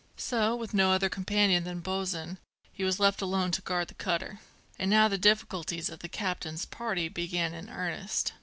'So, with no other companion than Bosin, he was left alone to guard the cutter. And now the difficulties of the captain's party began in earnest.